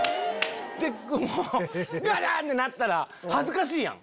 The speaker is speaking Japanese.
でもウグ！ってなったら恥ずかしいやん。